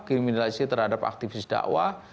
kriminalisasi terhadap aktivis dakwah